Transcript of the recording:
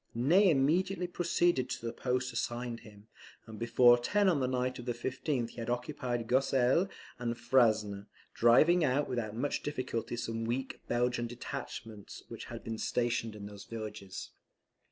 Ney immediately proceeded to the post assigned him; and before ten on the night of the 15th he had occupied Gosselies and Frasne, driving out without much difficulty some weak Belgian detachments which had been stationed in those villages.